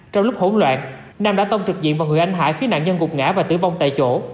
trong lúc hỗn loạn nam đã tông trực diện vào người anh hải khiến nạn nhân gục ngã và tử vong tại chỗ